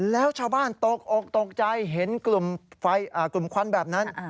แล้วชาวบ้านตกอกตกใจเห็นกลุ่มควันแบบนั้น